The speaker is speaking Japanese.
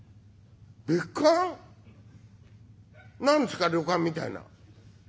何ですか旅館みたいな」。